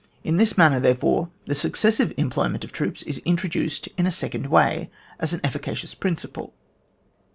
In this manner, therefore, the successive employment of troops is intro duced in a second way, as an efficacious principle.